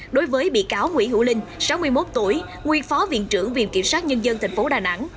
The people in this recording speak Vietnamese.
đối với bị cáo nguyễn hữu linh sáu mươi một tuổi nguyên phó viện trưởng viện kiểm sát nhân dân tp đà nẵng